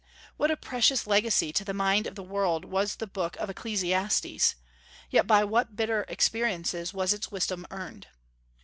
What a precious legacy to the mind of the world was the book of "Ecclesiastes," yet by what bitter experiences was its wisdom earned!